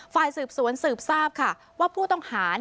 ฝ่ายสืบสวนสืบทราบค่ะว่าผู้ต้องหา